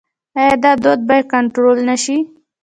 آیا دا دود باید کنټرول نشي؟